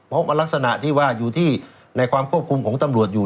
เพราะลักษณะที่ว่าอยู่ที่ในความควบคุมของตำรวจอยู่